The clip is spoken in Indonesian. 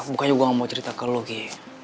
bukannya gue gak mau cerita ke lo ghi